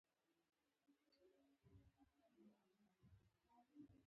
قانون په ټولو خلکو یو شان تطبیقیږي.